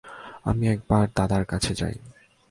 আমি একবার দাদার কাছে যাই।